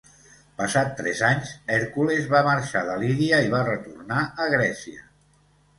Passats tres anys, Hèrcules va marxar de Lídia i va retornar a Grècia.